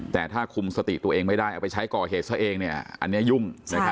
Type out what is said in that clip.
แต่ถ้าคุมสติตัวเองไม่ได้เอาไปใช้ก่อเหตุซะเองอันนี้ยุ่ง